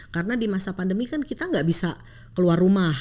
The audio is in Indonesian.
karena di masa pandemi kan kita nggak bisa keluar rumah